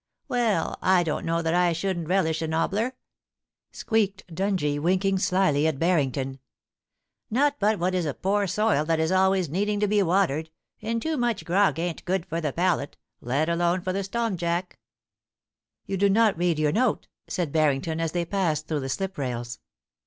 'Well, I don't know that I shouldn't relish a nobbier/ squeaked Dungie, winking slyly at Harrington. ' Not but what it is poor soil that is always needing to be watered, and too much grog ain't good for the palate, let alone for the stom jaclc' * You do not read your note,' said Barrington, as they passed through the slip rails.